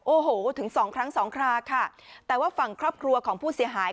โอ้โหถึงสองครั้งสองคราค่ะแต่ว่าฝั่งครอบครัวของผู้เสียหาย